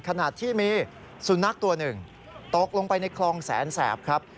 ขณะที่มีสุนัขตัวหนึ่งตกลงไปในคลองแสนแสบครับ